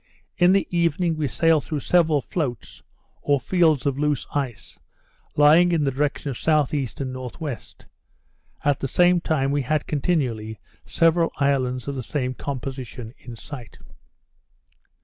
In the evening we sailed through several floats, or fields of loose ice, lying in the direction of S.E. and N.W.; at the same time we had continually several islands of the same composition in sight.